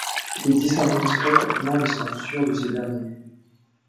Il existe un manuscrit contenant les censures de ce dernier.